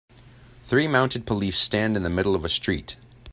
Three mounted police stand in the middle of a street.